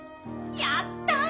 やったぁ！